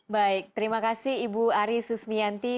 baik terima kasih ibu ari susmianti